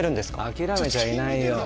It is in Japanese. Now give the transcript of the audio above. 諦めちゃいないよ。